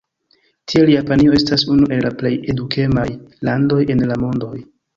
Tiel Japanio estas unu el la plej edukemaj landoj en la mondoj.